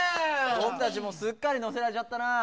ぼくたちもすっかりのせられちゃったなぁ。